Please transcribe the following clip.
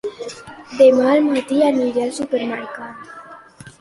Demà al matí aniré al supermercat.